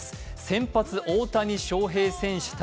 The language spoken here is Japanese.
先発・大谷翔平選手対